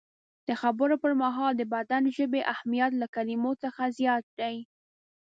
د خبرو پر مهال د بدن ژبې اهمیت له کلمو څخه زیات دی.